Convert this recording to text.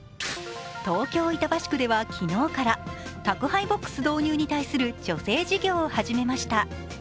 東京・板橋区では昨日から宅配ボックス導入に対する助成事業を始めました。